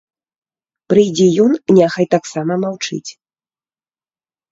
Прыйдзе ён, няхай таксама маўчыць.